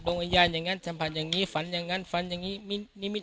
วิญญาณอย่างนั้นสัมผัสอย่างนี้ฝันอย่างนั้นฝันอย่างนี้นิมิต